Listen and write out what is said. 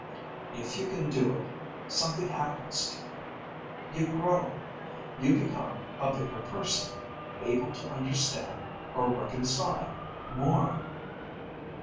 If you can do it, something happens to you: you grow. You become a bigger person, able to understand, or reconcile, more."